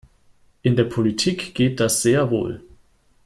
In der Politik geht das sehr wohl.